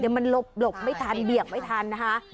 มันหลบไม่ทันเบี่ยงไม่ทันนะคะ